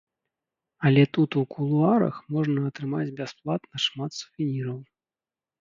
Але тут у кулуарах можна атрымаць бясплатна шмат сувеніраў.